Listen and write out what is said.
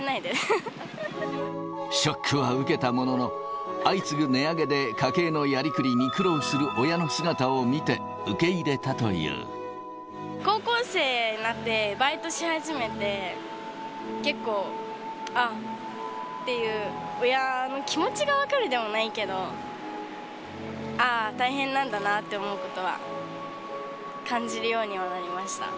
ショックは受けたものの、相次ぐ値上げで家計のやりくりに苦労する親の姿を見て、受け入れ高校生になってバイトし始めて、結構、ああっていう、親の気持ちが分かるではないけど、ああ、大変なんだなって思うことは、感じるようにはなりました。